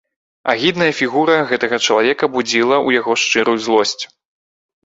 Агідная фігура гэтага чалавека будзіла ў яго шчырую злосць.